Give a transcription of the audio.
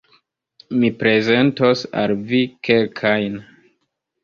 Mi prezentos al vi kelkajn.